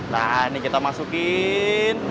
nah ini kita masukin